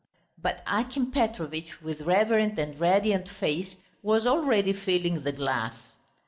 But Akim Petrovitch, with reverent and radiant face, was already filling the glass.